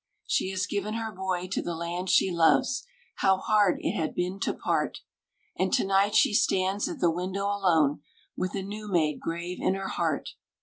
She has given her boy to the land she loves, How hard it had been to part! And to night she stands at the window alone, With a new made grave in her heart.